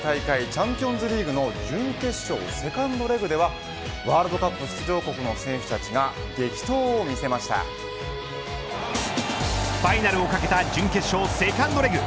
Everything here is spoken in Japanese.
チャンピオンズリーグの準決勝セカンドレグではワールドカップ出場国の選手たちがファイナルを懸けた準決勝セカンドレグ。